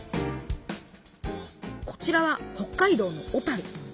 こちらは北海道の小樽。